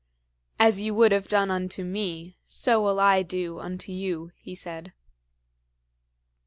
"As you would have done unto me, so will I do unto you," he said.